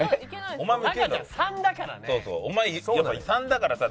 ３だからさ